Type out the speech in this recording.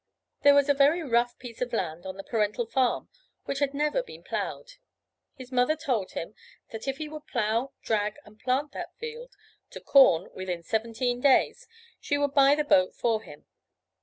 There was a very rough piece of land on the parental farm which had never been plowed. His mother told him that if he would plow, drag and plant that field to corn within seventeen days, she would buy the boat for him.